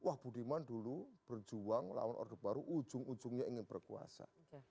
wah budiman dulu berjuang lawan orde baru ujung ujungnya ingin berkuasa